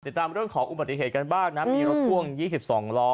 ติดตามเรื่องของอุบัติเหตุกันบ้างนะมีรถพ่วง๒๒ล้อ